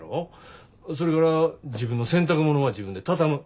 それから自分の洗濯物は自分で畳む。